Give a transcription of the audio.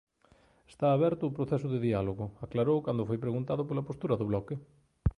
"Está aberto o proceso de diálogo", aclarou cando foi preguntado pola postura do Bloque.